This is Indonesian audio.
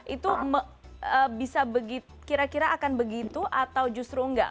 itu bisa kira kira akan begitu atau justru enggak